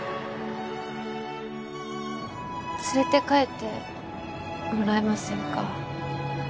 連れて帰ってもらえませんか？